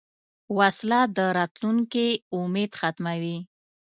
وسله د راتلونکې امید ختموي